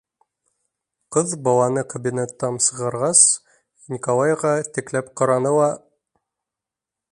Ҡыҙ баланы кабинеттан сығарғас, Николайға текләп ҡараны ла: